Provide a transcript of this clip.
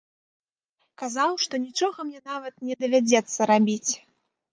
Казаў, што нічога мне нават не давядзецца рабіць.